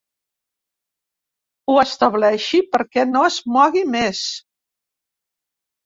Ho estableixi perquè no es mogui més.